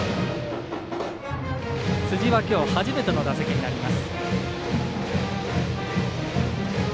辻はきょう初めての打席になります。